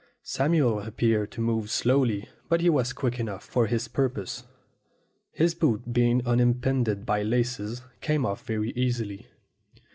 Samuel appeared to move slowly, but he was quick enough for his purpose. His boot, being unimpeded by laces, came off very easily.